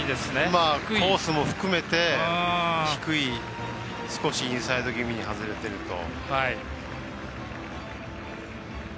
コースも含めて、低い少しインサイド気味に外れてると。